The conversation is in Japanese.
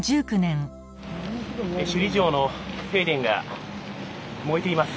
首里城の正殿が燃えています。